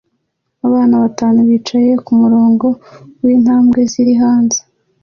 Abana batanu bicaye kumurongo wintambwe ziri hanze